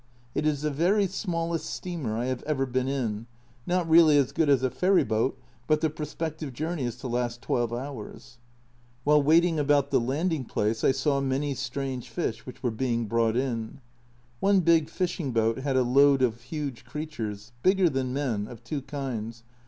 It is the very smallest steamer I have ever been in, not really as good as a ferry boat, but the prospective journey is to last twelve hours. While waiting about the landing place I saw many strange fish which were being brought in. One big fishing boat had a load of huge creatures, bigger than men, of two kinds.